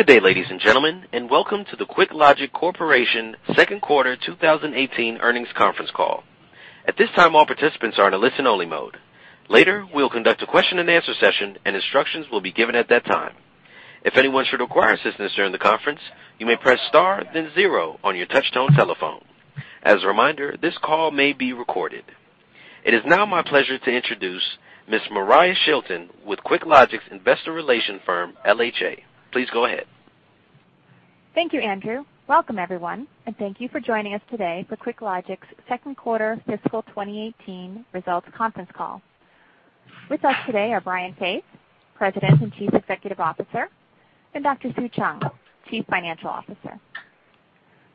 Good day, ladies and gentlemen, welcome to the QuickLogic Corporation second quarter 2018 earnings conference call. At this time, all participants are in a listen-only mode. Later, we'll conduct a question and answer session and instructions will be given at that time. If anyone should require assistance during the conference, you may press star then zero on your touch-tone telephone. As a reminder, this call may be recorded. It is now my pleasure to introduce Ms. Moriah Shilton with QuickLogic's investor relation firm, LHA. Please go ahead. Thank you, Andrew. Welcome everyone, thank you for joining us today for QuickLogic's second quarter fiscal 2018 results conference call. With us today are Brian Faith, President and Chief Executive Officer, and Dr. Sue Cheung, Chief Financial Officer.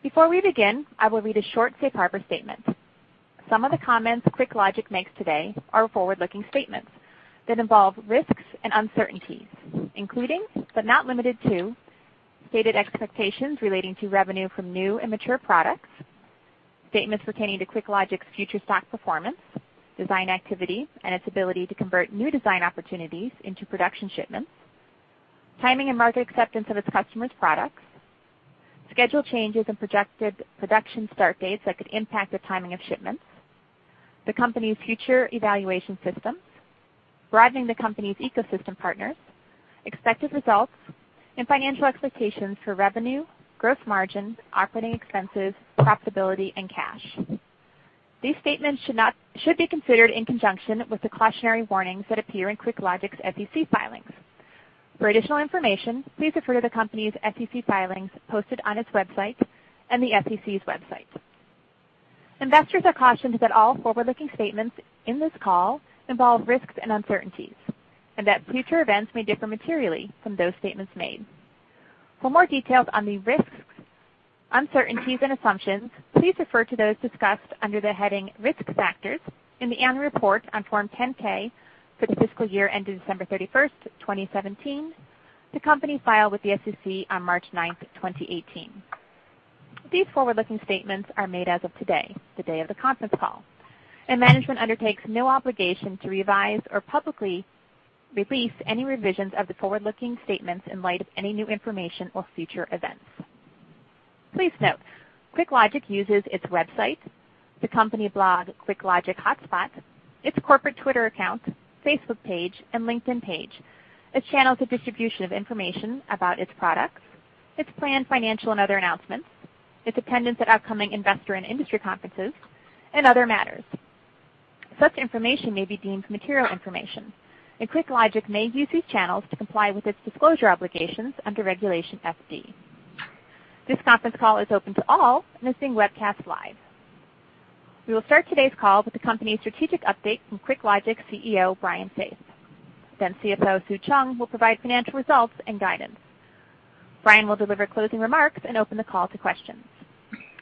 Before we begin, I will read a short safe harbor statement. Some of the comments QuickLogic makes today are forward-looking statements that involve risks and uncertainties, including but not limited to, stated expectations relating to revenue from new and mature products, statements pertaining to QuickLogic's future stock performance, design activity, and its ability to convert new design opportunities into production shipments, timing and market acceptance of its customers' products, schedule changes and projected production start dates that could impact the timing of shipments, the company's future evaluation systems, broadening the company's ecosystem partners, expected results, and financial expectations for revenue, gross margins, operating expenses, profitability, and cash. These statements should be considered in conjunction with the cautionary warnings that appear in QuickLogic's SEC filings. For additional information, please refer to the company's SEC filings posted on its website and the SEC's website. Investors are cautioned that all forward-looking statements in this call involve risks and uncertainties, that future events may differ materially from those statements made. For more details on the risks, uncertainties, and assumptions, please refer to those discussed under the heading Risk Factors in the annual report on Form 10-K for the fiscal year ended December 31st, 2017, the company filed with the SEC on March 9th, 2018. These forward-looking statements are made as of today, the day of the conference call, management undertakes no obligation to revise or publicly release any revisions of the forward-looking statements in light of any new information or future events. Please note, QuickLogic uses its website, the company blog, QuickLogic Blog, its corporate Twitter account, Facebook page, and LinkedIn page as channels of distribution of information about its products, its planned financial and other announcements, its attendance at upcoming investor and industry conferences, and other matters. Such information may be deemed material information, QuickLogic may use these channels to comply with its disclosure obligations under Regulation FD. This conference call is open to all and is being webcast live. We will start today's call with the company's strategic update from QuickLogic CEO, Brian Faith. Then CFO Sue Cheung will provide financial results and guidance. Brian will deliver closing remarks and open the call to questions.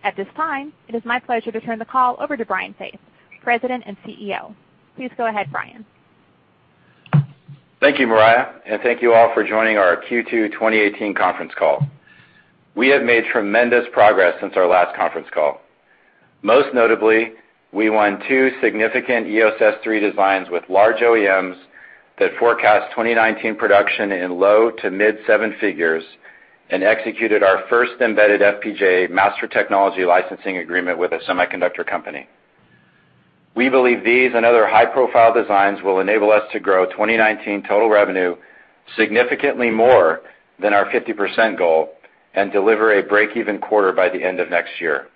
At this time, it is my pleasure to turn the call over to Brian Faith, President and CEO. Please go ahead, Brian. Thank you, Moriah, and thank you all for joining our Q2 2018 conference call. We have made tremendous progress since our last conference call. Most notably, we won two significant EOS S3 designs with large OEMs that forecast 2019 production in low to mid-7 figures and executed our first embedded FPGA master technology licensing agreement with a semiconductor company. We believe these and other high-profile designs will enable us to grow 2019 total revenue significantly more than our 50% goal and deliver a break-even quarter by the end of next year.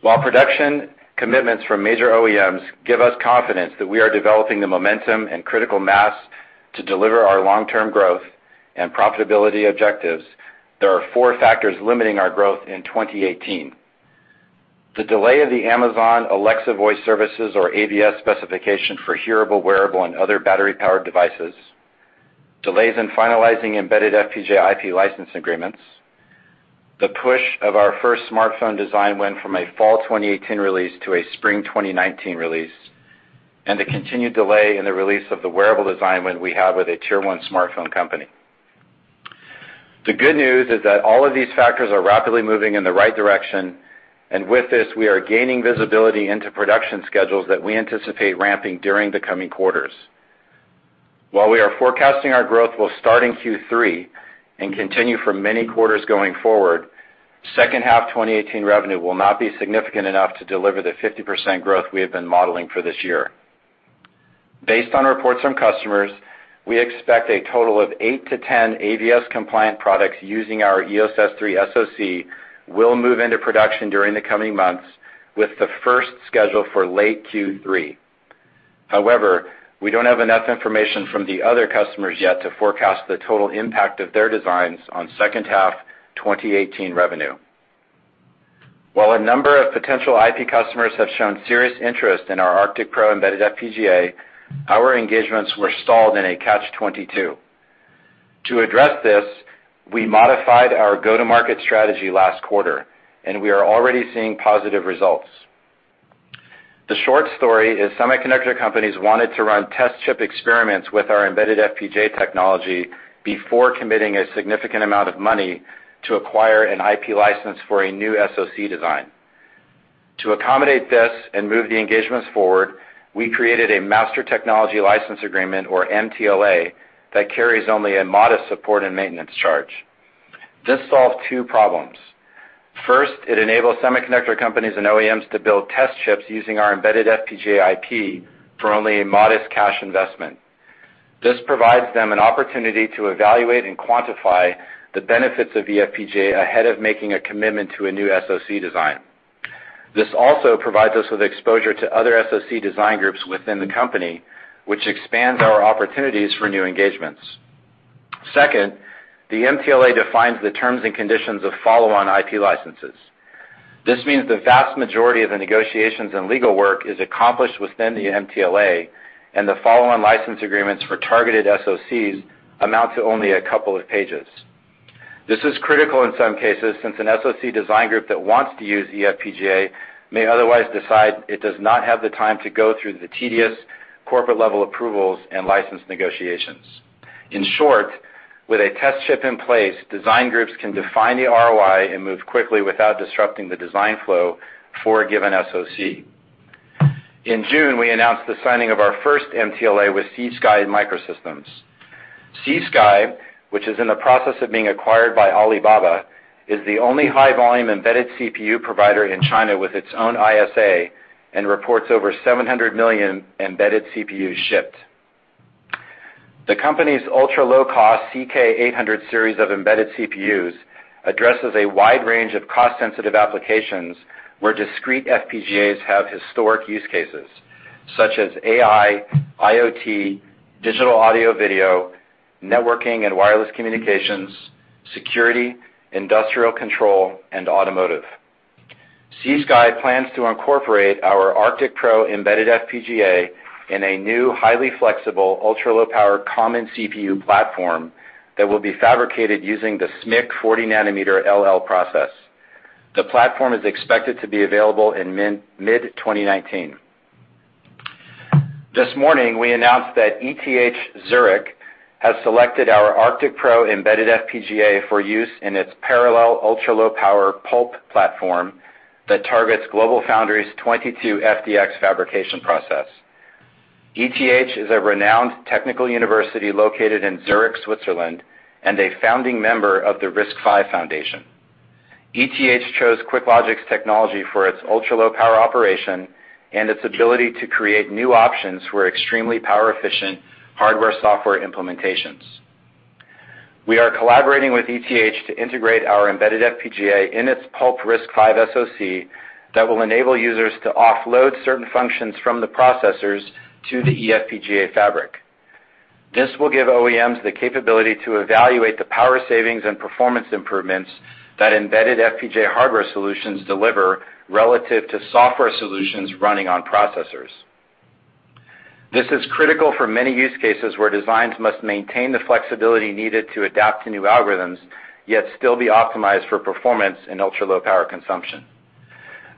While production commitments from major OEMs give us confidence that we are developing the momentum and critical mass to deliver our long-term growth and profitability objectives, there are 4 factors limiting our growth in 2018. The delay of the Amazon Alexa Voice Service or AVS specification for hearable, wearable, and other battery-powered devices, delays in finalizing embedded FPGA IP license agreements, the push of our first smartphone design win from a fall 2018 release to a spring 2019 release, and the continued delay in the release of the wearable design win we have with a Tier 1 smartphone company. The good news is that all of these factors are rapidly moving in the right direction, and with this, we are gaining visibility into production schedules that we anticipate ramping during the coming quarters. While we are forecasting our growth will start in Q3 and continue for many quarters going forward, second half 2018 revenue will not be significant enough to deliver the 50% growth we have been modeling for this year. Based on reports from customers, we expect a total of 8 to 10 AVS-compliant products using our EOS S3 SoC will move into production during the coming months, with the first scheduled for late Q3. However, we don't have enough information from the other customers yet to forecast the total impact of their designs on second half 2018 revenue. While a number of potential IP customers have shown serious interest in our ArcticPro embedded FPGA, our engagements were stalled in a catch 22. To address this, we modified our go-to-market strategy last quarter, and we are already seeing positive results. The short story is semiconductor companies wanted to run test chip experiments with our embedded FPGA technology before committing a significant amount of money to acquire an IP license for a new SoC design. To accommodate this and move the engagements forward, we created a master technology license agreement, or MTLA, that carries only a modest support and maintenance charge. This solves 2 problems. First, it enables semiconductor companies and OEMs to build test chips using our embedded FPGA IP for only a modest cash investment. This provides them an opportunity to evaluate and quantify the benefits of eFPGA ahead of making a commitment to a new SoC design. This also provides us with exposure to other SoC design groups within the company, which expands our opportunities for new engagements. Second, the MTLA defines the terms and conditions of follow-on IP licenses. This means the vast majority of the negotiations and legal work is accomplished within the MTLA, and the follow-on license agreements for targeted SoCs amount to only a couple of pages. This is critical in some cases, since an SoC design group that wants to use eFPGA may otherwise decide it does not have the time to go through the tedious corporate-level approvals and license negotiations. In short, with a test chip in place, design groups can define the ROI and move quickly without disrupting the design flow for a given SoC. In June, we announced the signing of our first MTLA with C-SKY Microsystems. C-SKY, which is in the process of being acquired by Alibaba, is the only high-volume embedded CPU provider in China with its own ISA and reports over 700 million embedded CPUs shipped. The company's ultra-low-cost CK800 series of embedded CPUs addresses a wide range of cost-sensitive applications where discrete FPGAs have historic use cases, such as AI, IoT, digital audio-video, networking and wireless communications, security, industrial control, and automotive. C-SKY plans to incorporate our ArcticPro embedded FPGA in a new, highly flexible, ultra-low-power common CPU platform that will be fabricated using the SMIC 40 nanometer LL process. The platform is expected to be available in mid-2019. This morning, we announced that ETH Zurich has selected our ArcticPro embedded FPGA for use in its parallel ultra-low-power PULP platform that targets GlobalFoundries' 22FDX fabrication process. ETH is a renowned technical university located in Zurich, Switzerland, and a founding member of the RISC-V Foundation. ETH chose QuickLogic's technology for its ultra-low-power operation and its ability to create new options for extremely power-efficient hardware-software implementations. We are collaborating with ETH to integrate our embedded FPGA in its PULP RISC-V SoC that will enable users to offload certain functions from the processors to the eFPGA fabric. This will give OEMs the capability to evaluate the power savings and performance improvements that embedded FPGA hardware solutions deliver relative to software solutions running on processors. This is critical for many use cases where designs must maintain the flexibility needed to adapt to new algorithms, yet still be optimized for performance and ultra-low-power consumption.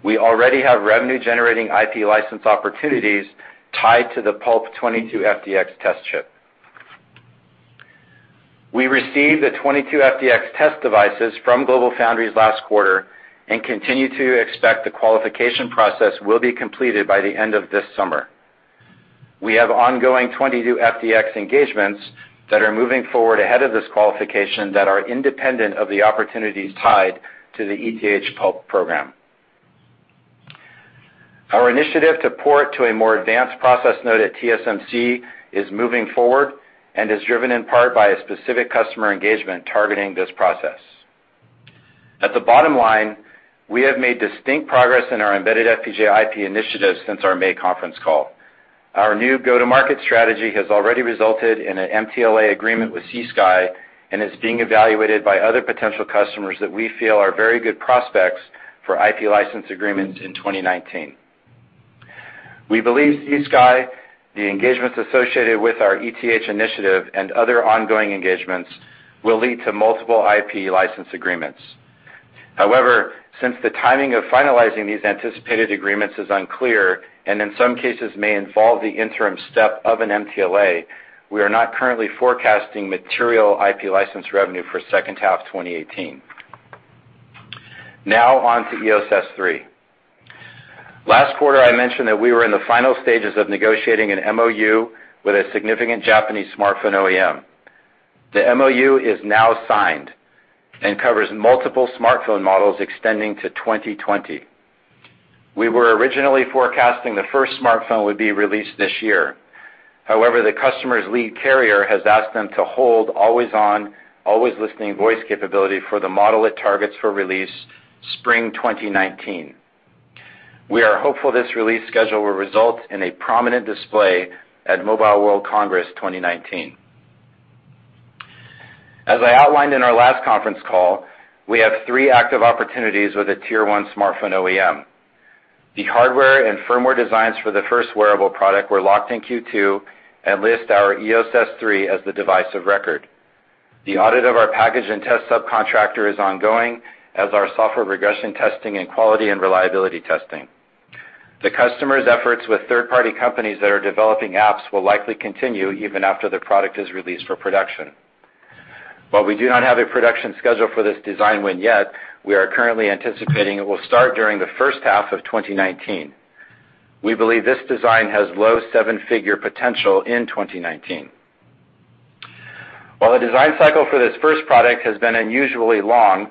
We already have revenue-generating IP license opportunities tied to the PULP 22FDX test chip. We received the 22FDX test devices from GlobalFoundries last quarter and continue to expect the qualification process will be completed by the end of this summer. We have ongoing 22FDX engagements that are moving forward ahead of this qualification that are independent of the opportunities tied to the ETH PULP program. Our initiative to port to a more advanced process node at TSMC is moving forward and is driven in part by a specific customer engagement targeting this process. At the bottom line, we have made distinct progress in our embedded FPGA IP initiatives since our May conference call. Our new go-to-market strategy has already resulted in an MTLA agreement with C-SKY and is being evaluated by other potential customers that we feel are very good prospects for IP license agreements in 2019. We believe C-SKY, the engagements associated with our ETH initiative, and other ongoing engagements will lead to multiple IP license agreements. However, since the timing of finalizing these anticipated agreements is unclear, and in some cases may involve the interim step of an MTLA, we are not currently forecasting material IP license revenue for second half 2018. Now on to EOS S3. Last quarter, I mentioned that we were in the final stages of negotiating an MOU with a significant Japanese smartphone OEM. The MOU is now signed and covers multiple smartphone models extending to 2020. We were originally forecasting the first smartphone would be released this year. However, the customer's lead carrier has asked them to hold always-on, always-listening voice capability for the model it targets for release spring 2019. We are hopeful this release schedule will result in a prominent display at Mobile World Congress 2019. As I outlined in our last conference call, we have three active opportunities with a tier 1 smartphone OEM. The hardware and firmware designs for the first wearable product were locked in Q2 and list our EOS S3 as the device of record. The audit of our package and test subcontractor is ongoing, as are software regression testing and quality and reliability testing. The customer's efforts with third-party companies that are developing apps will likely continue even after the product is released for production. While we do not have a production schedule for this design win yet, we are currently anticipating it will start during the first half of 2019. We believe this design has low seven-figure potential in 2019. While the design cycle for this first product has been unusually long,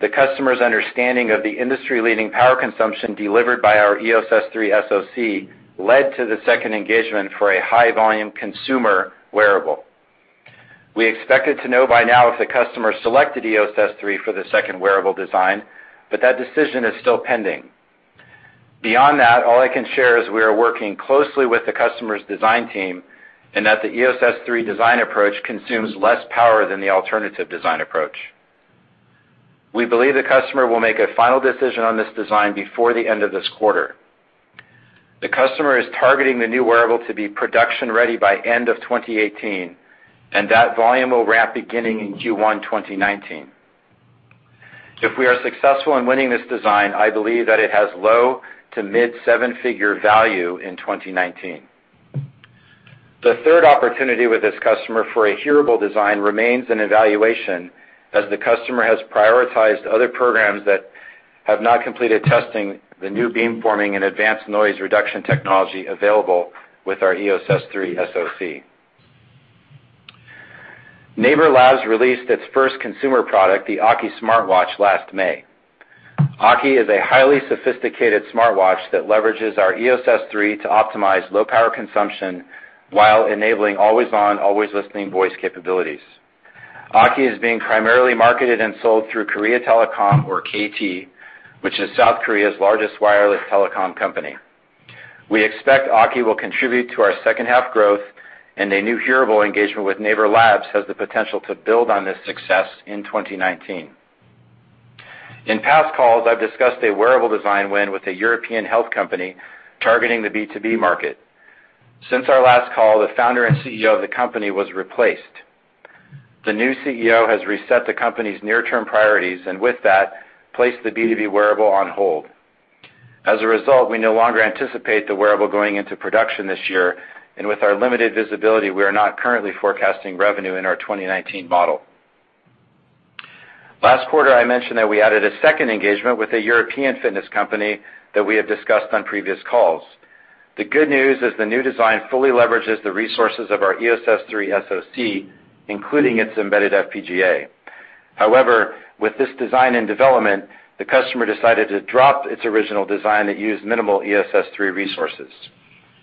the customer's understanding of the industry-leading power consumption delivered by our EOS S3 SoC led to the second engagement for a high-volume consumer wearable. We expected to know by now if the customer selected EOS S3 for the second wearable design, but that decision is still pending. Beyond that, all I can share is we are working closely with the customer's design team and that the EOS S3 design approach consumes less power than the alternative design approach. We believe the customer will make a final decision on this design before the end of this quarter. The customer is targeting the new wearable to be production-ready by end of 2018. That volume will ramp beginning in Q1 2019. If we are successful in winning this design, I believe that it has low to mid seven-figure value in 2019. The third opportunity with this customer for a hearable design remains in evaluation, as the customer has prioritized other programs that have not completed testing the new beamforming and advanced noise reduction technology available with our EOS S3 SoC. NAVER LABS released its first consumer product, the AKI smartwatch, last May. AKI is a highly sophisticated smartwatch that leverages our EOS S3 to optimize low power consumption while enabling always-on, always-listening voice capabilities. AKI is being primarily marketed and sold through Korea Telecom, or KT, which is South Korea's largest wireless telecom company. We expect AKI will contribute to our second half growth. A new hearable engagement with NAVER LABS has the potential to build on this success in 2019. In past calls, I've discussed a wearable design win with a European health company targeting the B2B market. Since our last call, the founder and CEO of the company was replaced. The new CEO has reset the company's near-term priorities. With that, placed the B2B wearable on hold. As a result, we no longer anticipate the wearable going into production this year. With our limited visibility, we are not currently forecasting revenue in our 2019 model. Last quarter, I mentioned that we added a second engagement with a European fitness company that we have discussed on previous calls. The good news is the new design fully leverages the resources of our EOS S3 SoC, including its embedded FPGA. However, with this design and development, the customer decided to drop its original design that used minimal EOS S3 resources.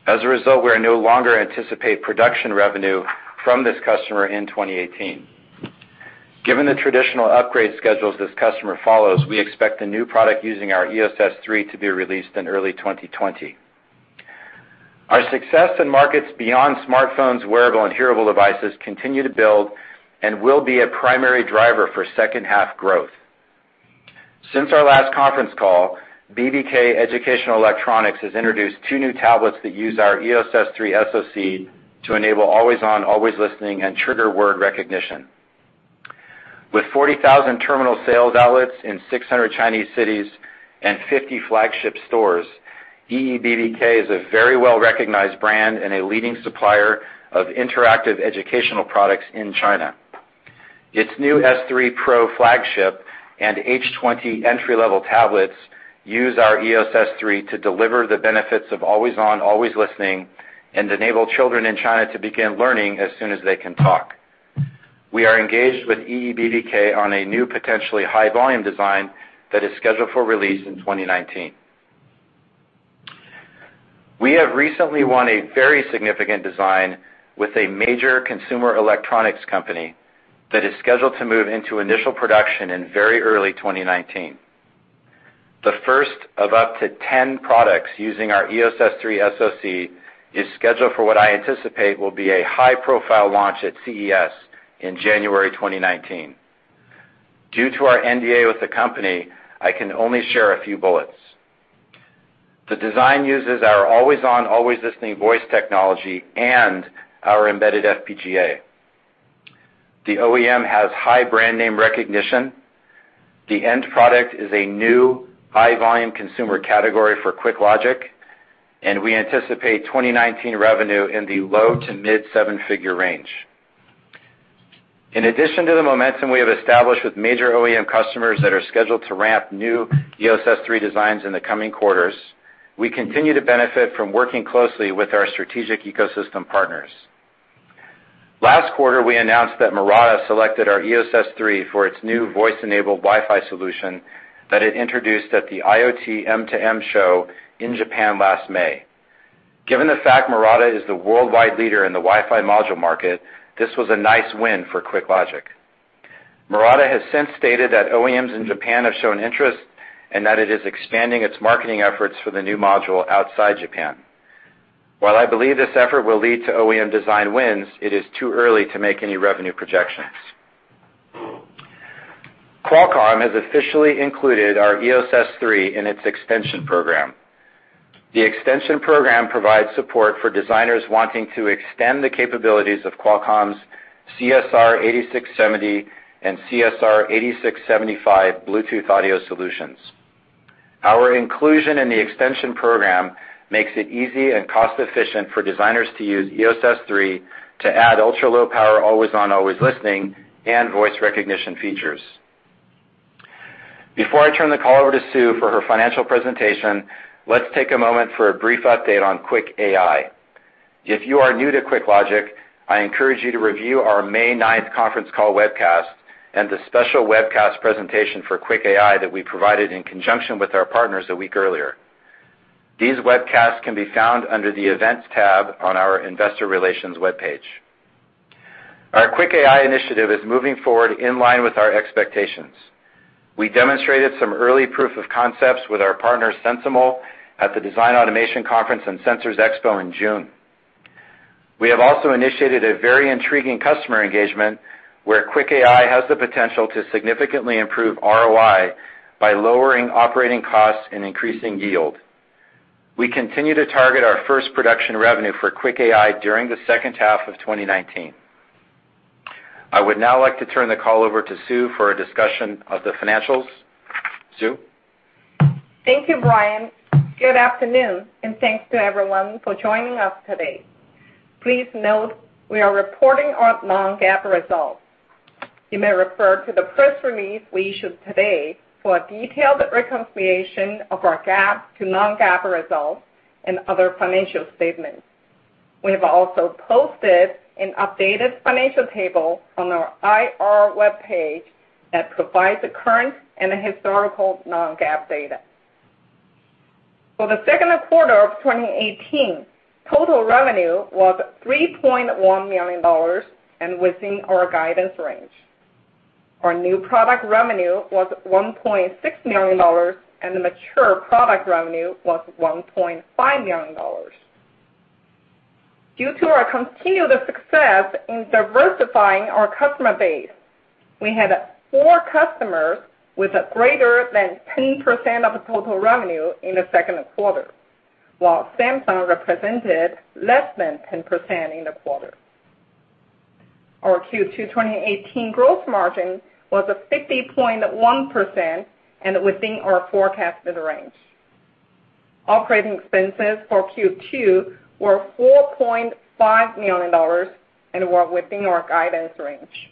As a result, we are no longer anticipate production revenue from this customer in 2018. Given the traditional upgrade schedules this customer follows, we expect the new product using our EOS S3 to be released in early 2020. Our success in markets beyond smartphones, wearable, and hearable devices continue to build and will be a primary driver for second half growth. Since our last conference call, BBK Educational Electronics has introduced two new tablets that use our EOS S3 SoC to enable always-on, always-listening, and trigger word recognition. With 40,000 terminal sales outlets in 600 Chinese cities and 50 flagship stores, EEBBK is a very well-recognized brand and a leading supplier of interactive educational products in China. Its new S3 Pro flagship and H20 entry-level tablets use our EOS S3 to deliver the benefits of always-on, always-listening, and enable children in China to begin learning as soon as they can talk. We are engaged with EEBBK on a new potentially high-volume design that is scheduled for release in 2019. We have recently won a very significant design with a major consumer electronics company that is scheduled to move into initial production in very early 2019. The first of up to 10 products using our EOS S3 SoC is scheduled for what I anticipate will be a high-profile launch at CES in January 2019. Due to our NDA with the company, I can only share a few bullets. The design uses our always-on, always-listening voice technology and our embedded FPGA. The OEM has high brand name recognition. The end product is a new high-volume consumer category for QuickLogic, and we anticipate 2019 revenue in the low to mid seven-figure range. In addition to the momentum we have established with major OEM customers that are scheduled to ramp new EOS S3 designs in the coming quarters, we continue to benefit from working closely with our strategic ecosystem partners. Last quarter, we announced that Murata selected our EOS S3 for its new voice-enabled Wi-Fi solution that it introduced at the IoT/M2M show in Japan last May. Given the fact Murata is the worldwide leader in the Wi-Fi module market, this was a nice win for QuickLogic. Murata has since stated that OEMs in Japan have shown interest and that it is expanding its marketing efforts for the new module outside Japan. While I believe this effort will lead to OEM design wins, it is too early to make any revenue projections. Qualcomm has officially included our EOS S3 in its extension program. The extension program provides support for designers wanting to extend the capabilities of Qualcomm's CSR8670 and CSR8675 Bluetooth audio solutions. Our inclusion in the extension program makes it easy and cost-efficient for designers to use EOS S3 to add ultra-low power always on, always listening, and voice recognition features. Before I turn the call over to Sue for her financial presentation, let's take a moment for a brief update on QuickAI. If you are new to QuickLogic, I encourage you to review our May 9th conference call webcast and the special webcast presentation for QuickAI that we provided in conjunction with our partners a week earlier. These webcasts can be found under the Events tab on our investor relations webpage. Our QuickAI initiative is moving forward in line with our expectations. We demonstrated some early proof of concepts with our partner, SensiML, at the Design Automation Conference and Sensors Expo in June. We have also initiated a very intriguing customer engagement where QuickAI has the potential to significantly improve ROI by lowering operating costs and increasing yield. We continue to target our first production revenue for QuickAI during the second half of 2019. I would now like to turn the call over to Sue for a discussion of the financials. Sue? Thank you, Brian. Good afternoon, and thanks to everyone for joining us today. Please note we are reporting our non-GAAP results. You may refer to the press release we issued today for a detailed reconciliation of our GAAP to non-GAAP results and other financial statements. We have also posted an updated financial table on our IR webpage that provides the current and historical non-GAAP data. For the second quarter of 2018, total revenue was $3.1 million and within our guidance range. Our new product revenue was $1.6 million, and the mature product revenue was $1.5 million. Due to our continued success in diversifying our customer base, we had four customers with greater than 10% of total revenue in the second quarter, while Samsung represented less than 10% in the quarter. Our Q2 2018 gross margin was 50.1% and within our forecasted range. Operating expenses for Q2 were $4.5 million and were within our guidance range.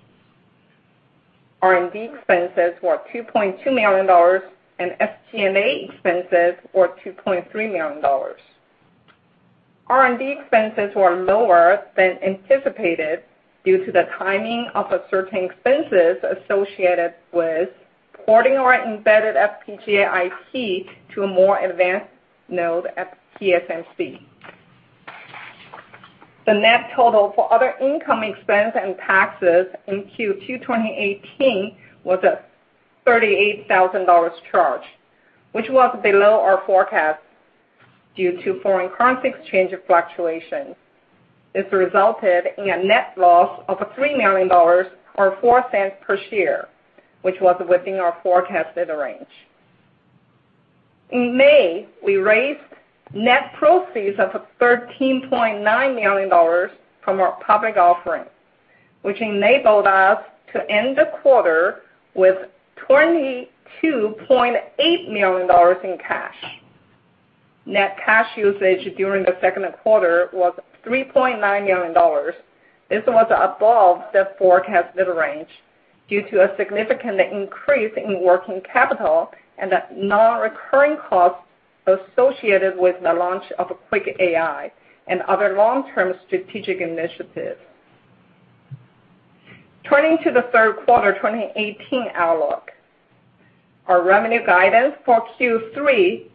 R&D expenses were $2.2 million, and SG&A expenses were $2.3 million. R&D expenses were lower than anticipated due to the timing of certain expenses associated with porting our eFPGA IP to a more advanced node at TSMC. The net total for other income expense and taxes in Q2 2018 was a $38,000 charge, which was below our forecast due to foreign currency exchange fluctuations. This resulted in a net loss of $3 million, or $0.04 per share, which was within our forecasted range. In May, we raised net proceeds of $13.9 million from our public offering, which enabled us to end the quarter with $22.8 million in cash. Net cash usage during the second quarter was $3.9 million. This was above the forecasted range due to a significant increase in working capital and the non-recurring costs associated with the launch of QuickAI and other long-term strategic initiatives. Turning to the third quarter 2018 outlook. Our revenue guidance for Q3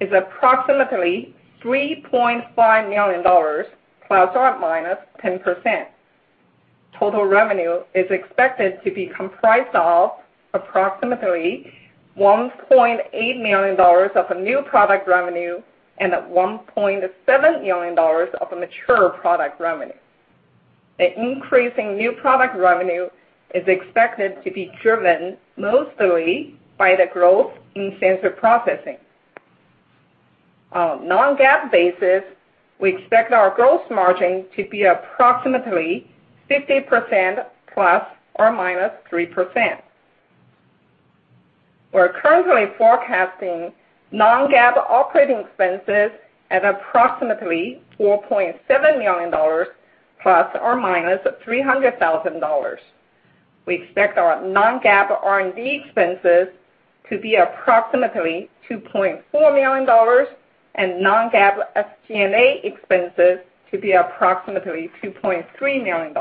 is approximately $3.5 million, ±10%. Total revenue is expected to be comprised of approximately $1.8 million of new product revenue and $1.7 million of mature product revenue. The increasing new product revenue is expected to be driven mostly by the growth in sensor processing. On a non-GAAP basis, we expect our gross margin to be approximately 50%, ±3%. We're currently forecasting non-GAAP operating expenses at approximately $4.7 million, ±$300,000. We expect our non-GAAP R&D expenses to be approximately $2.4 million and non-GAAP SG&A expenses to be approximately $2.3 million.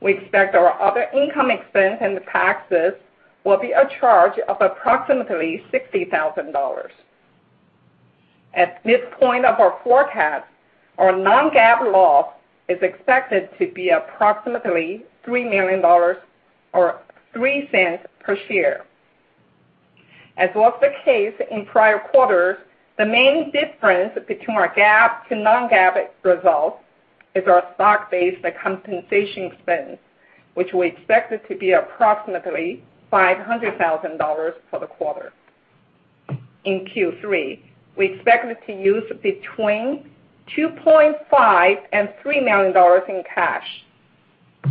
We expect our other income expense and taxes will be a charge of approximately $60,000. At this point of our forecast, our non-GAAP loss is expected to be approximately $3 million, or $0.03 per share. As was the case in prior quarters, the main difference between our GAAP to non-GAAP results is our stock-based compensation expense, which we expected to be approximately $500,000 for the quarter. In Q3, we expected to use between $2.5 million-$3 million in cash.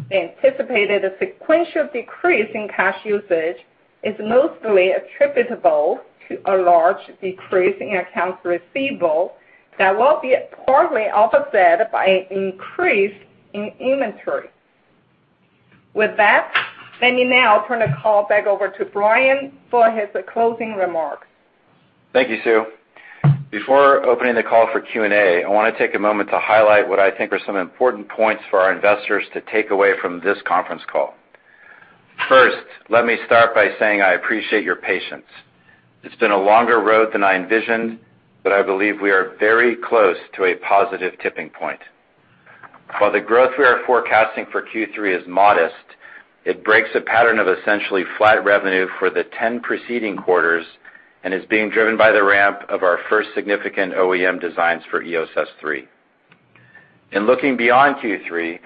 The anticipated sequential decrease in cash usage is mostly attributable to a large decrease in accounts receivable that will be partly offset by an increase in inventory. With that, let me now turn the call back over to Brian for his closing remarks. Thank you, Sue. Before opening the call for Q&A, I want to take a moment to highlight what I think are some important points for our investors to take away from this conference call. First, let me start by saying I appreciate your patience. It's been a longer road than I envisioned, but I believe we are very close to a positive tipping point. While the growth we are forecasting for Q3 is modest, it breaks a pattern of essentially flat revenue for the 10 preceding quarters and is being driven by the ramp of our first significant OEM designs for EOS S3. In looking beyond Q3,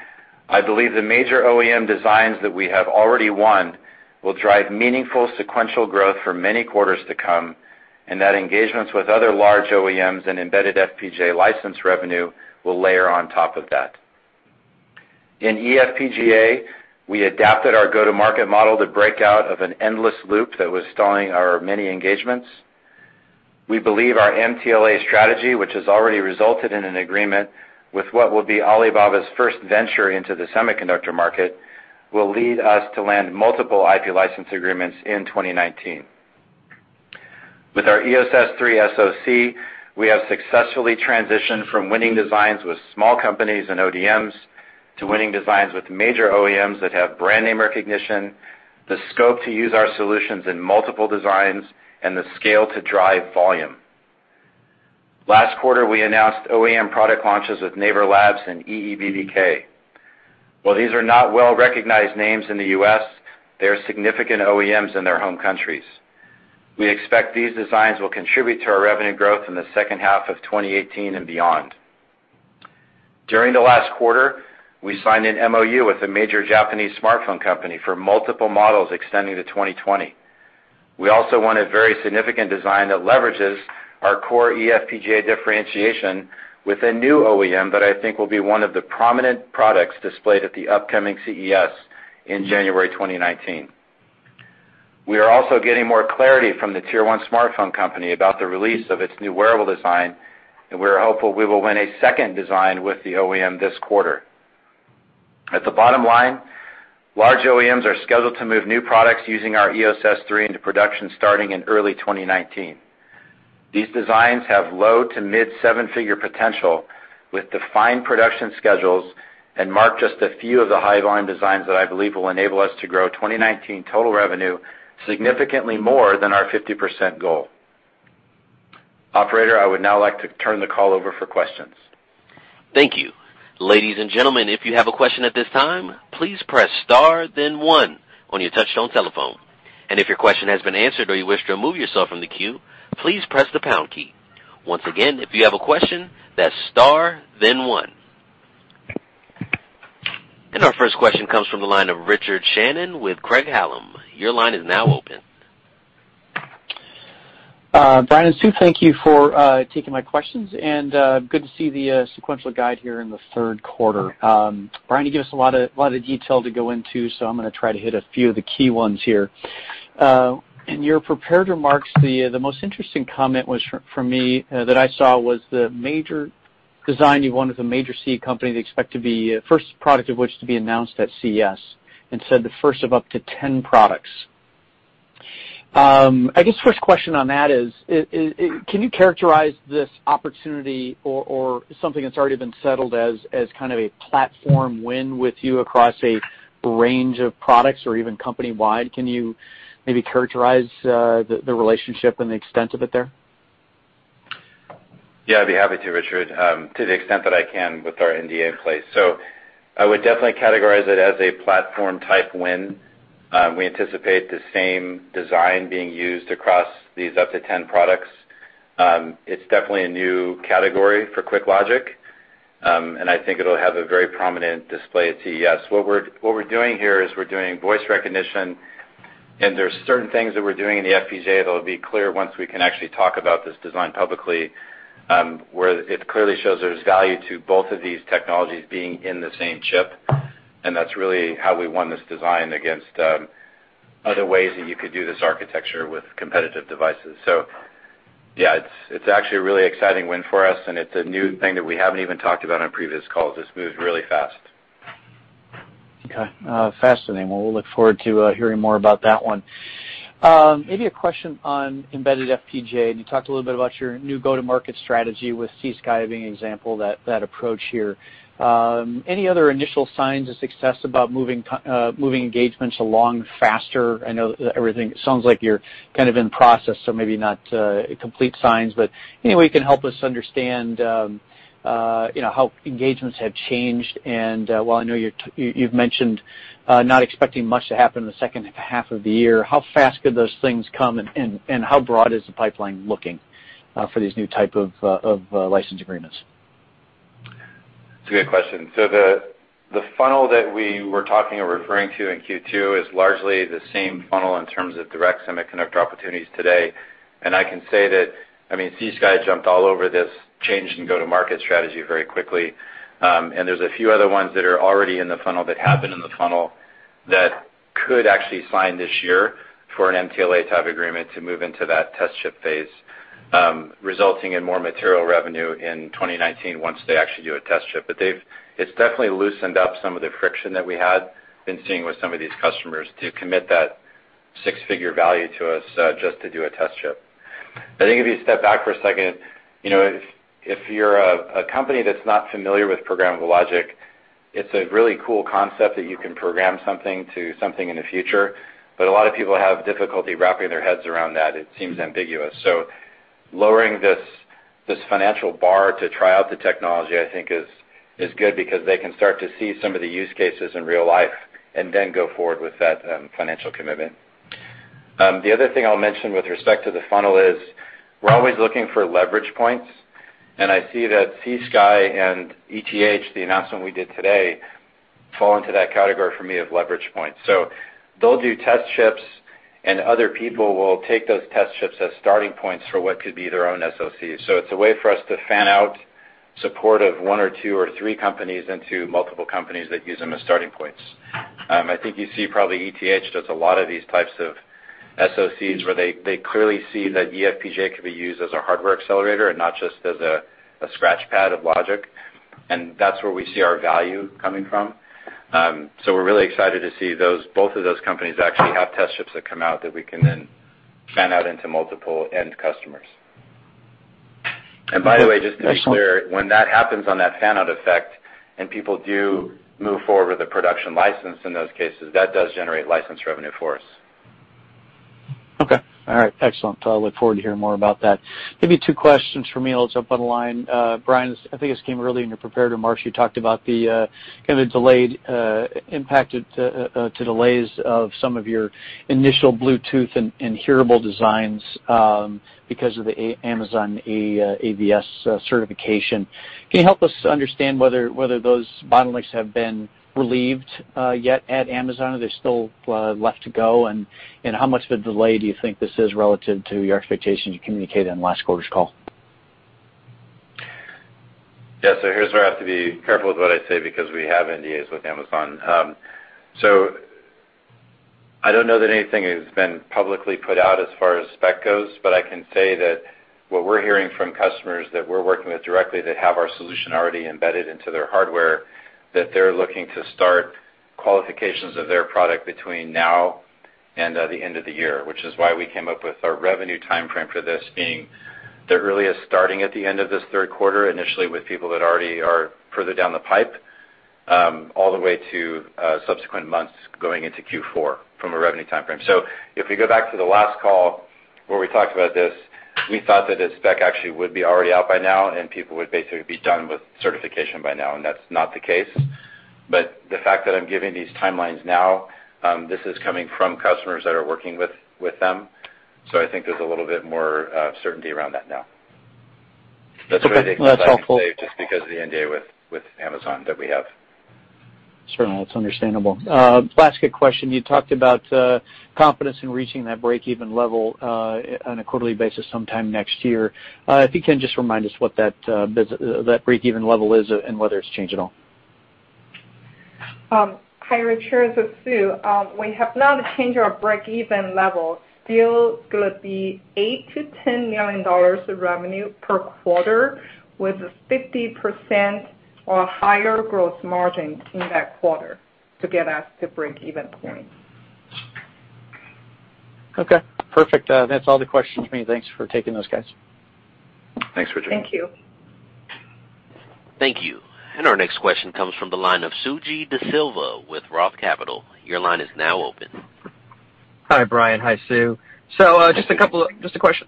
I believe the major OEM designs that we have already won will drive meaningful sequential growth for many quarters to come, and that engagements with other large OEMs and embedded FPGA license revenue will layer on top of that. In eFPGA, we adapted our go-to-market model to break out of an endless loop that was stalling our many engagements. We believe our MTLA strategy, which has already resulted in an agreement with what will be Alibaba's first venture into the semiconductor market, will lead us to land multiple IP license agreements in 2019. With our EOS S3 SoC, we have successfully transitioned from winning designs with small companies and ODMs to winning designs with major OEMs that have brand name recognition, the scope to use our solutions in multiple designs, and the scale to drive volume. Last quarter, we announced OEM product launches with NAVER LABS and EEBBK. While these are not well-recognized names in the U.S., they are significant OEMs in their home countries. We expect these designs will contribute to our revenue growth in the second half of 2018 and beyond. During the last quarter, we signed an MOU with a major Japanese smartphone company for multiple models extending to 2020. We also won a very significant design that leverages our core eFPGA differentiation with a new OEM that I think will be one of the prominent products displayed at the upcoming CES in January 2019. We are also getting more clarity from the Tier 1 smartphone company about the release of its new wearable design, and we are hopeful we will win a second design with the OEM this quarter. At the bottom line, large OEMs are scheduled to move new products using our EOS S3 into production starting in early 2019. These designs have low to mid seven-figure potential with defined production schedules and mark just a few of the high-volume designs that I believe will enable us to grow 2019 total revenue significantly more than our 50% goal. Operator, I would now like to turn the call over for questions. Thank you. Ladies and gentlemen, if you have a question at this time, please press star then one on your touchtone telephone. If your question has been answered or you wish to remove yourself from the queue, please press the pound key. Once again, if you have a question, that's star then one. Our first question comes from the line of Richard Shannon with Craig-Hallum. Your line is now open. Brian and Sue, thank you for taking my questions. Good to see the sequential guide here in the third quarter. Brian, you gave us a lot of detail to go into. I'm going to try to hit a few of the key ones here. In your prepared remarks, the most interesting comment for me that I saw was the major design you won with a major C company, the first product of which to be announced at CES, said the first of up to 10 products. I guess first question on that is, can you characterize this opportunity or something that's already been settled as kind of a platform win with you across a range of products or even company-wide? Can you maybe characterize the relationship and the extent of it there? Yeah, I'd be happy to, Richard, to the extent that I can with our NDA in place. I would definitely categorize it as a platform-type win. We anticipate the same design being used across these up to 10 products. It's definitely a new category for QuickLogic, I think it'll have a very prominent display at CES. What we're doing here is we're doing voice recognition, there's certain things that we're doing in the FPGA that'll be clear once we can actually talk about this design publicly, where it clearly shows there's value to both of these technologies being in the same chip, that's really how we won this design against other ways that you could do this architecture with competitive devices. Yeah, it's actually a really exciting win for us, it's a new thing that we haven't even talked about on previous calls. This moved really fast. Okay. Fascinating. Well, we'll look forward to hearing more about that one. Maybe a question on embedded FPGA. You talked a little bit about your new go-to-market strategy with C-SKY being an example of that approach here. Any other initial signs of success about moving engagements along faster? I know it sounds like you're kind of in process, so maybe not complete signs, but any way you can help us understand how engagements have changed? While I know you've mentioned not expecting much to happen in the second half of the year, how fast could those things come, and how broad is the pipeline looking for these new type of license agreements? It's a good question. The funnel that we were talking or referring to in Q2 is largely the same funnel in terms of direct semiconductor opportunities today. I can say that, C-SKY jumped all over this change and go-to-market strategy very quickly. There's a few other ones that are already in the funnel, that have been in the funnel that could actually sign this year for an MTLA type agreement to move into that test ship phase, resulting in more material revenue in 2019 once they actually do a test ship. It's definitely loosened up some of the friction that we had been seeing with some of these customers to commit that six-figure value to us just to do a test ship. I think if you step back for a second, if you're a company that's not familiar with programmable logic, it's a really cool concept that you can program something to something in the future. A lot of people have difficulty wrapping their heads around that. It seems ambiguous. Lowering this financial bar to try out the technology, I think is good because they can start to see some of the use cases in real life and then go forward with that financial commitment. The other thing I'll mention with respect to the funnel is we're always looking for leverage points. I see that C-SKY and ETH, the announcement we did today, fall into that category for me of leverage points. They'll do test ships, and other people will take those test ships as starting points for what could be their own SoC. It's a way for us to fan out support of one or two or three companies into multiple companies that use them as starting points. I think you see probably ETH does a lot of these types of SoCs where they clearly see that eFPGA could be used as a hardware accelerator and not just as a scratch pad of logic. That's where we see our value coming from. We're really excited to see both of those companies actually have test ships that come out that we can then fan out into multiple end customers. By the way, just to be clear, when that happens on that fan-out effect and people do move forward with a production license, in those cases, that does generate license revenue for us. Okay. All right. Excellent. I look forward to hearing more about that. Maybe two questions from me. I'll jump on the line. Brian, I think this came early in your prepared remarks. You talked about the kind of delayed impact to delays of some of your initial Bluetooth and hearable designs because of the Amazon AVS certification. Can you help us understand whether those bottlenecks have been relieved yet at Amazon, are they still left to go? How much of a delay do you think this is relative to your expectations you communicated on last quarter's call? Yeah. Here's where I have to be careful with what I say because we have NDAs with Amazon. I don't know that anything has been publicly put out as far as spec goes, but I can say that what we're hearing from customers that we're working with directly that have our solution already embedded into their hardware, that they're looking to start qualifications of their product between now and the end of the year, which is why we came up with our revenue timeframe for this being the earliest starting at the end of this third quarter, initially with people that already are further down the pipe all the way to subsequent months going into Q4 from a revenue timeframe. If we go back to the last call where we talked about this, we thought that a spec actually would be already out by now and people would basically be done with certification by now, that's not the case. The fact that I'm giving these timelines now, this is coming from customers that are working with them. I think there's a little bit more certainty around that now. That's everything I can say just because of the NDA with Amazon that we have. Sure. No, it's understandable. Last quick question. You talked about confidence in reaching that breakeven level on a quarterly basis sometime next year. If you can just remind us what that breakeven level is and whether it's changed at all. Hi, Richard, this is Sue. We have not changed our breakeven level. Still going to be $8 million-$10 million of revenue per quarter with 50% or higher gross margin in that quarter to get us to breakeven point. Perfect. That's all the questions for me. Thanks for taking those, guys. Thanks, Richard. Thank you. Thank you. Our next question comes from the line of Suji Desilva with Roth Capital. Your line is now open. Hi, Brian. Hi, Sue. Just a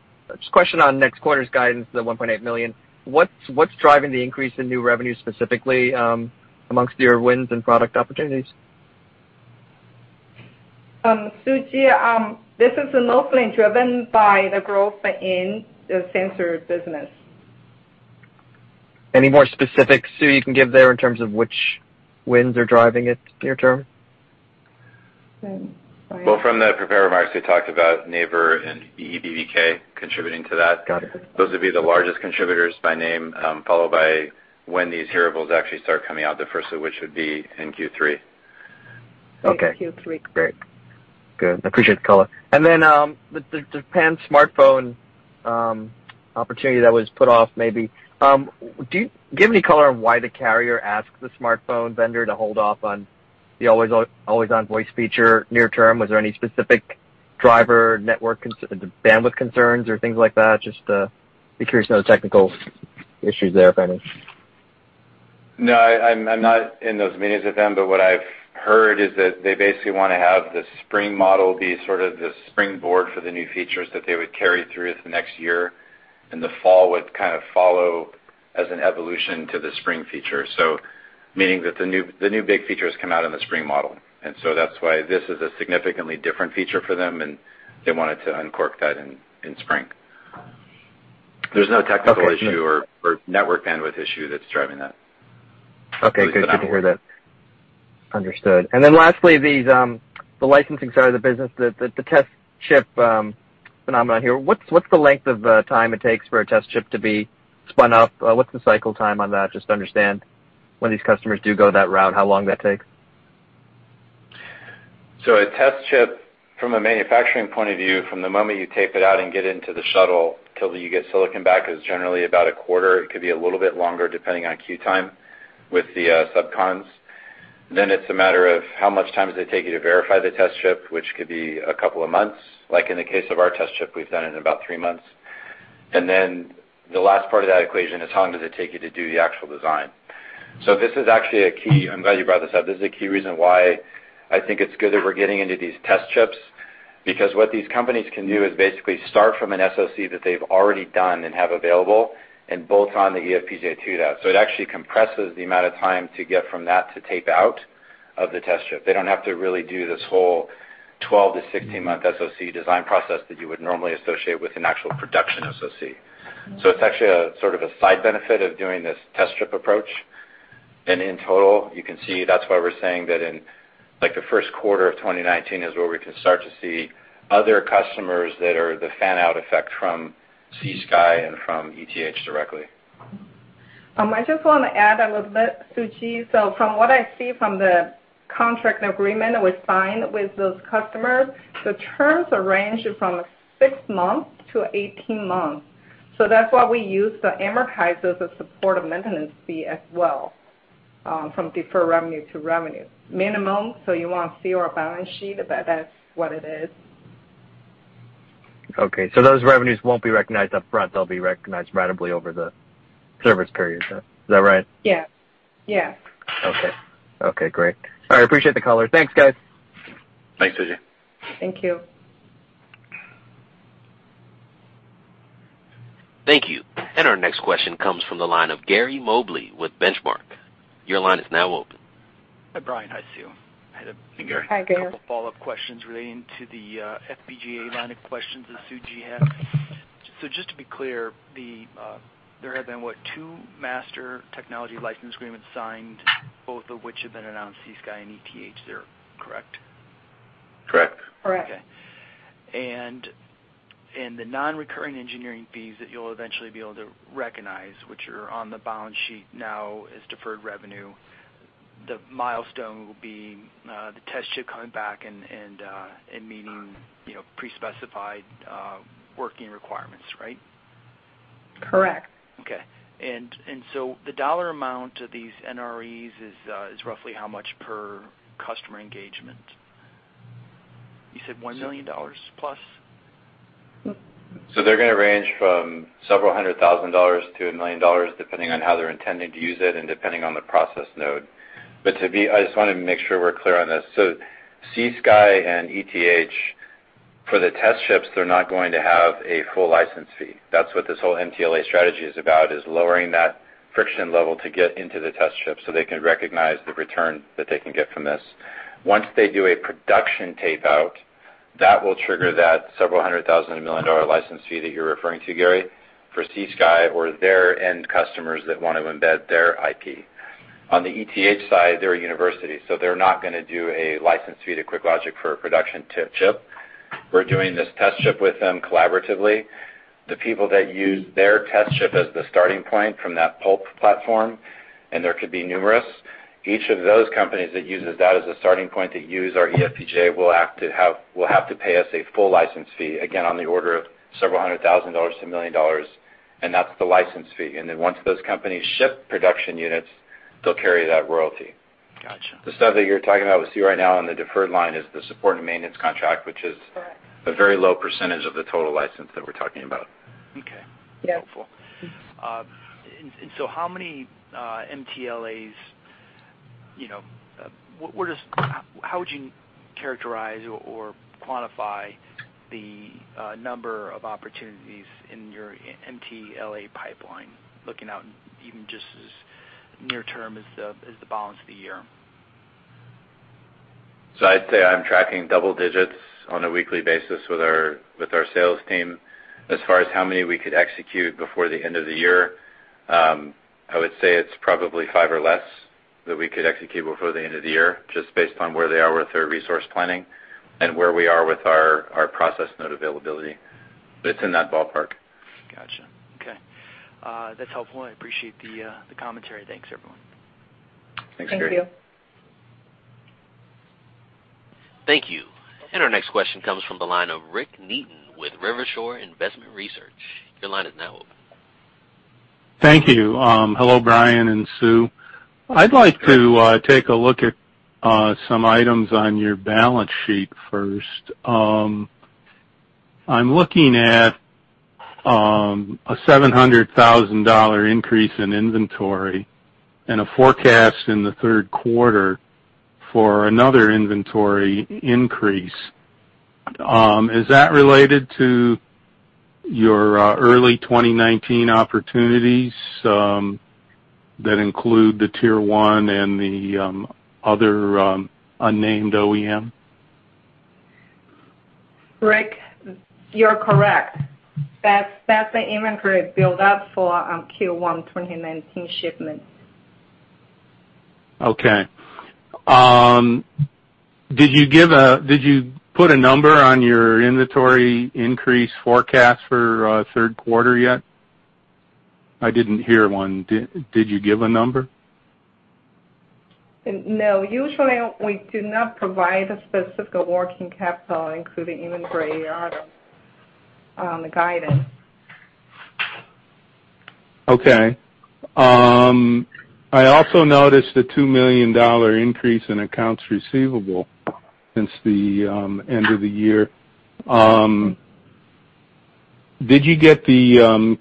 question on next quarter's guidance, the $1.8 million. What's driving the increase in new revenue specifically amongst your wins and product opportunities? Suji, this is mostly driven by the growth in the sensor business. Any more specifics, Su, you can give there in terms of which wins are driving it near term? Well, from the prepared remarks, we talked about NAVER and EEBBK contributing to that. Got it. Those would be the largest contributors by name, followed by when these hearables actually start coming out, the first of which would be in Q3. Okay. In Q3. Great. Good. I appreciate the color. Then the Japan smartphone opportunity that was put off maybe. Do you give any color on why the carrier asked the smartphone vendor to hold off on the always-on voice feature near term? Was there any specific driver network bandwidth concerns or things like that? Just be curious to know the technical issues there, if any. No, I'm not in those meetings with them, but what I've heard is that they basically want to have the spring model be sort of the springboard for the new features that they would carry through the next year, and the fall would kind of follow as an evolution to the spring feature. Meaning that the new big features come out in the spring model, that's why this is a significantly different feature for them, and they wanted to uncork that in spring. There's no technical issue or network bandwidth issue that's driving that. Okay, good to hear that. Understood. Then lastly, the licensing side of the business, the test chip phenomena here. What's the length of time it takes for a test chip to be spun up? What's the cycle time on that, just to understand when these customers do go that route, how long that takes? A test chip from a manufacturing point of view, from the moment you tape it out and get into the shuttle till you get silicon back, is generally about a quarter. It could be a little bit longer depending on queue time with the sub cons. Then it's a matter of how much time does it take you to verify the test chip, which could be a couple of months. Like in the case of our test chip, we've done it in about three months. The last part of that equation is how long does it take you to do the actual design? This is actually a key. I'm glad you brought this up. This is a key reason why I think it's good that we're getting into these test chips, because what these companies can do is basically start from an SoC that they've already done and have available and bolt on the eFPGA chip. It actually compresses the amount of time to get from that to tape out of the test chip. They don't have to really do this whole 12 to 16-month SoC design process that you would normally associate with an actual production SoC. It's actually a sort of a side benefit of doing this test chip approach. In total, you can see that's why we're saying that in, like, the first quarter of 2019 is where we can start to see other customers that are the fan-out effect from C-SKY and from ETH directly. I just want to add a little bit, Suji. From what I see from the contract agreement that we signed with those customers, the terms range from six months to 18 months. That's why we use to amortize those as support and maintenance fee as well, from deferred revenue to revenue. Minimum, so you won't see our balance sheet, but that's what it is. Okay, those revenues won't be recognized up front. They'll be recognized ratably over the service period. Is that right? Yeah. Okay, great. All right. I appreciate the color. Thanks, guys. Thanks, Suji. Thank you. Thank you. Our next question comes from the line of Gary Mobley with Benchmark. Your line is now open. Hi, Brian. Hi, Sue. Hey, Gary. Hi, Gary. A couple follow-up questions relating to the FPGA line of questions that Suji had. Just to be clear, there have been, what, two master technology license agreements signed, both of which have been announced, C-SKY and ETH there, correct? Correct. Correct. Okay. The non-recurring engineering fees that you'll eventually be able to recognize, which are on the balance sheet now as deferred revenue, the milestone will be the test chip coming back and meeting pre-specified working requirements, right? Correct. Okay. The dollar amount of these NREs is roughly how much per customer engagement? You said $1 million plus? They're going to range from several hundred thousand dollars to $1 million, depending on how they're intending to use it and depending on the process node. I just want to make sure we're clear on this. C-SKY and ETH, for the test chips, they're not going to have a full license fee. That's what this whole MTLA strategy is about, is lowering that friction level to get into the test chip so they can recognize the return that they can get from this. Once they do a production tape-out, that will trigger that several hundred thousand to $1 million license fee that you're referring to, Gary, for C-SKY or their end customers that want to embed their IP. On the ETH side, they're a university, so they're not going to do a license fee to QuickLogic for a production chip. We're doing this test chip with them collaboratively. The people that use their test chip as the starting point from that PULP platform, and there could be numerous, each of those companies that uses that as a starting point to use our eFPGA will have to pay us a full license fee, again, on the order of several hundred thousand dollars to $1 million, and that's the license fee. Once those companies ship production units, they'll carry that royalty. Got you. The stuff that you're talking about, we see right now on the deferred line is the support and maintenance contract. Correct. Which is a very low percentage of the total license that we're talking about. Okay. Yeah. Helpful. How many MTLAs, how would you characterize or quantify the number of opportunities in your MTLA pipeline, looking out even just as near term as the balance of the year? I'd say I'm tracking double digits on a weekly basis with our sales team. As far as how many we could execute before the end of the year, I would say it's probably five or less that we could execute before the end of the year, just based on where they are with their resource planning and where we are with our process node availability. It's in that ballpark. Got you. Okay. That's helpful. I appreciate the commentary. Thanks, everyone. Thanks, Gary. Thank you. Thank you. Our next question comes from the line of Rick Neaton with Rivershore Investment Research. Your line is now open. Thank you. Hello, Brian and Sue. I'd like to take a look at some items on your balance sheet first. I'm looking at a $700,000 increase in inventory and a forecast in the third quarter for another inventory increase. Is that related to your early 2019 opportunities that include the tier 1 and the other unnamed OEM? Rick, you're correct. That's the inventory build up for Q1 2019 shipments. Okay. Did you put a number on your inventory increase forecast for third quarter yet? I didn't hear one. Did you give a number? No. Usually, we do not provide a specific working capital, including inventory item on the guidance. Okay. I also noticed a $2 million increase in accounts receivable since the end of the year. Did you get the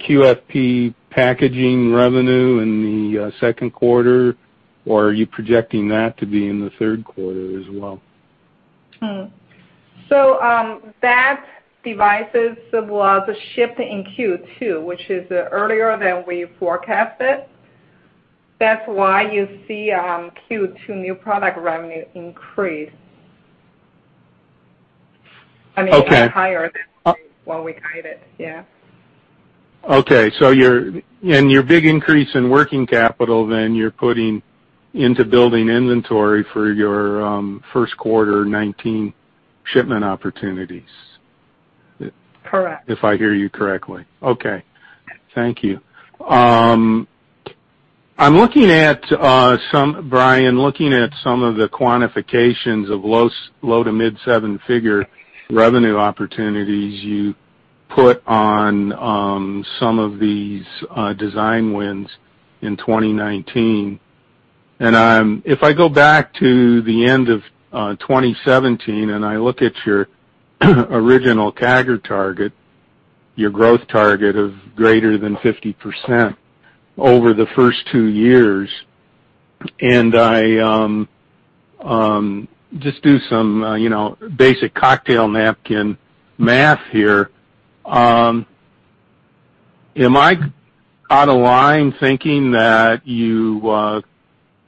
QFP packaging revenue in the second quarter, or are you projecting that to be in the third quarter as well? That devices was shipped in Q2, which is earlier than we forecasted. That's why you see Q2 new product revenue increased. Okay. I mean, higher than what we guided. Yeah. Your big increase in working capital, you're putting into building inventory for your first quarter 2019 shipment opportunities. Correct. If I hear you correctly. Okay. Thank you. Brian, looking at some of the quantifications of low to mid seven-figure revenue opportunities you put on some of these design wins in 2019. If I go back to the end of 2017, I look at your original CAGR target, your growth target of greater than 50% over the first two years, I just do some basic cocktail napkin math here. Am I out of line thinking that you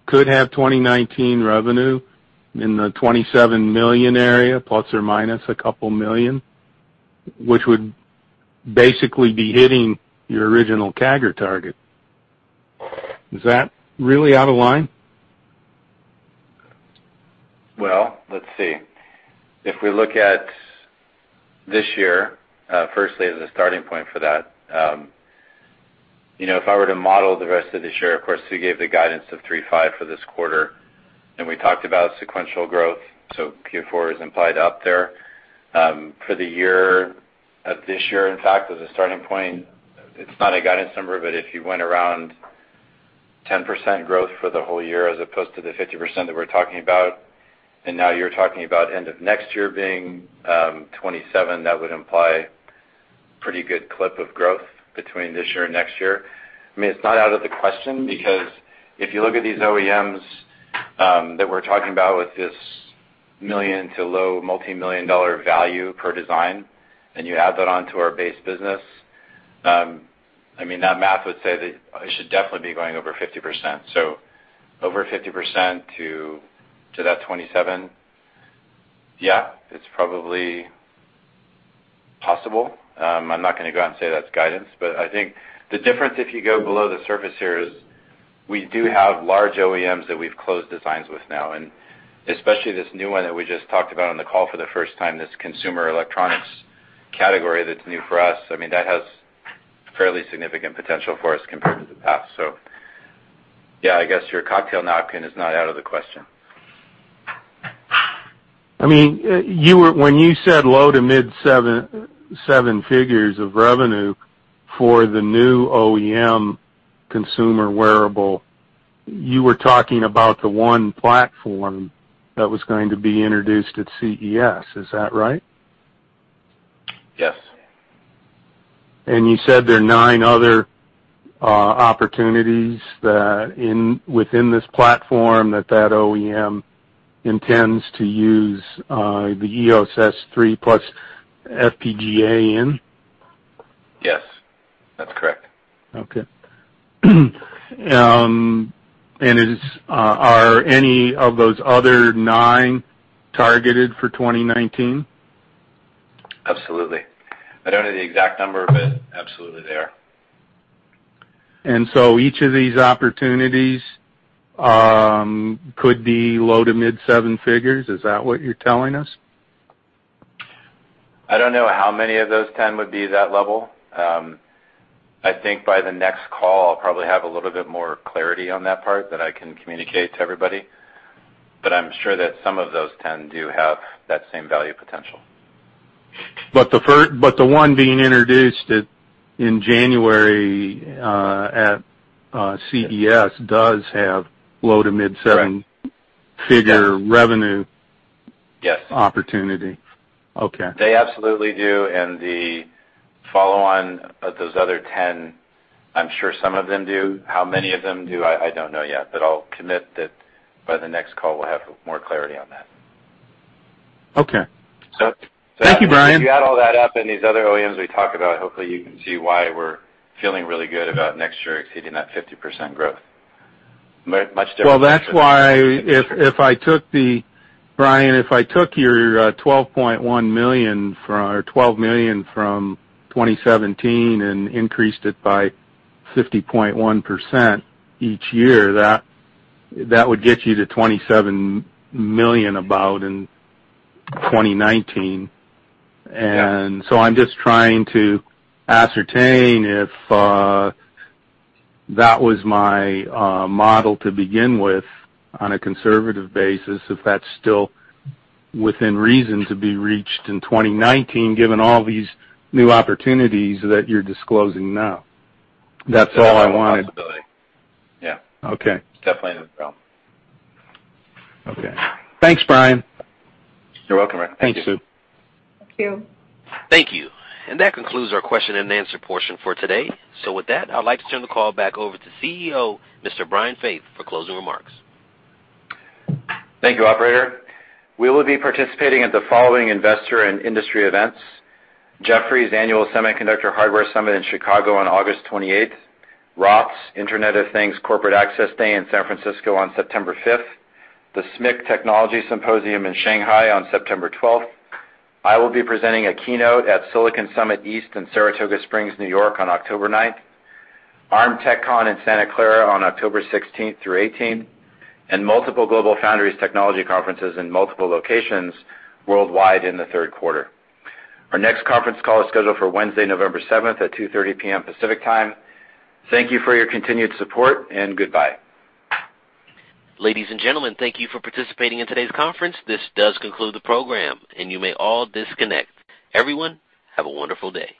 could have 2019 revenue in the $27 million area, plus or minus $2 million, which would basically be hitting your original CAGR target? Is that really out of line? Well, let's see. If we look at this year, firstly, as a starting point for that, if I were to model the rest of this year, of course, Sue gave the guidance of $3.5 million for this quarter, we talked about sequential growth, Q4 is implied up there. For the year of this year, in fact, as a starting point, it's not a guidance number, but if you went around 10% growth for the whole year as opposed to the 50% that we're talking about, now you're talking about end of next year being $27 million, that would imply pretty good clip of growth between this year and next year. I mean, it's not out of the question, because if you look at these OEMs that we're talking about with this million to low multimillion-dollar value per design, you add that on to our base business, that math would say that it should definitely be going over 50%. Over 50% to that $27 million, yeah, it's probably possible. I'm not going to go out and say that's guidance, but I think the difference if you go below the surface here is we do have large OEMs that we've closed designs with now, especially this new one that we just talked about on the call for the first time, this consumer electronics category that's new for us. That has fairly significant potential for us compared to the past. Yeah, I guess your cocktail napkin is not out of the question. When you said low to mid seven figures of revenue for the new OEM consumer wearable, you were talking about the one platform that was going to be introduced at CES. Is that right? Yes. You said there are nine other opportunities within this platform that OEM intends to use, the EOS S3 plus FPGA in? Yes, that's correct. Okay. Are any of those other nine targeted for 2019? Absolutely. I don't know the exact number, but absolutely they are. Each of these opportunities could be low to mid seven figures. Is that what you're telling us? I don't know how many of those 10 would be that level. I think by the next call, I'll probably have a little bit more clarity on that part that I can communicate to everybody. I'm sure that some of those 10 do have that same value potential. The one being introduced in January at CES does have low to mid seven- Correct. figure revenue Yes. opportunity. Okay. They absolutely do, the follow-on of those other 10, I'm sure some of them do. How many of them do, I don't know yet. I'll commit that by the next call, we'll have more clarity on that. Okay. Thank you, Brian. If you add all that up and these other OEMs we talked about, hopefully, you can see why we're feeling really good about next year exceeding that 50% growth. Well, Brian, if I took your $12 million from 2017 and increased it by 50.1% each year, that would get you to $27 million about in 2019. Yeah. I'm just trying to ascertain if that was my model to begin with on a conservative basis, if that's still within reason to be reached in 2019, given all these new opportunities that you're disclosing now. That's all I wanted. Yeah. Okay. Definitely no problem. Okay. Thanks, Brian. You're welcome, Rick. Thank you. Thank you. Thank you. That concludes our question and answer portion for today. With that, I'd like to turn the call back over to CEO, Mr. Brian Faith, for closing remarks. Thank you, operator. We will be participating at the following investor and industry events: Jefferies' Annual Semiconductor Hardware Summit in Chicago on August 28th, Roth's Internet of Things Corporate Access Day in San Francisco on September 5th, the SMIC Technology Symposium in Shanghai on September 12th. I will be presenting a keynote at Silicon Summit East in Saratoga Springs, New York on October 9th, Arm TechCon in Santa Clara on October 16th through 18th, and multiple GlobalFoundries technology conferences in multiple locations worldwide in the third quarter. Our next conference call is scheduled for Wednesday, November 7th at 2:30 P.M. Pacific Time. Thank you for your continued support, and goodbye. Ladies and gentlemen, thank you for participating in today's conference. This does conclude the program, and you may all disconnect. Everyone, have a wonderful day.